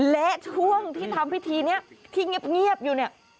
และช่วงที่ทำพิธีนี้ที่เงียบอยู่เนี่ย